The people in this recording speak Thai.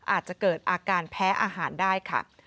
อาจจะเกิดอาการแพ้อาหารได้ค่ะ